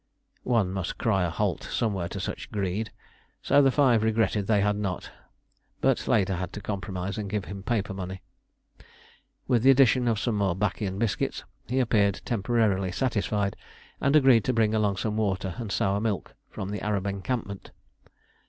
One must cry a halt somewhere to such greed, so the five regretted they had not, but later had to compromise and give him paper money. With the addition of some more 'baccy and biscuits he appeared temporarily satisfied, and agreed to bring along some water and sour milk from the Arab encampment.